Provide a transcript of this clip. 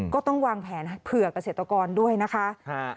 ก็ต้องวางแผนเผื่อเกษตรกรด้วยนะคะ